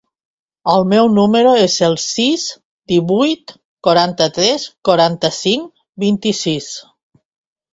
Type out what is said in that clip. El meu número es el sis, divuit, quaranta-tres, quaranta-cinc, vint-i-sis.